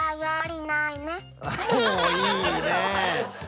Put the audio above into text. おいいね！